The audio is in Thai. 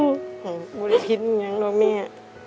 มึงหาบุญพิตรอยู่แหมือนกันเนี่ย